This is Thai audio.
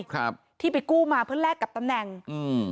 ครับที่ไปกู้มาเพื่อแลกกับตำแหน่งอืม